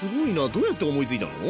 どうやって思いついたの？